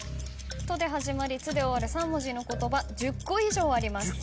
「と」で始まり「つ」で終わる３文字の言葉１０個以上あります。